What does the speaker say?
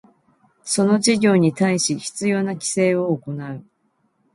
その事業に対し必要な規制を行う